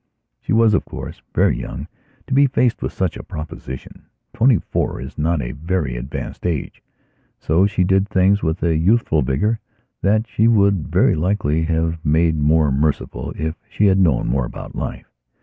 She was, of course, very young to be faced with such a propositiontwenty four is not a very advanced age. So she did things with a youthful vigour that she would, very likely, have made more merciful, if she had known more about life.